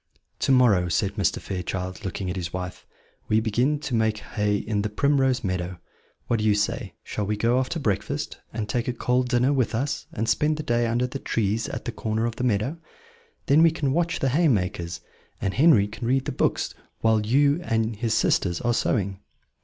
"To morrow," said Mr. Fairchild, looking at his wife, "we begin to make hay in the Primrose Meadow. What do you say? Shall we go after breakfast, and take a cold dinner with us, and spend the day under the trees at the corner of the meadow? Then we can watch the haymakers, and Henry can read the books whilst you and his sisters are sewing."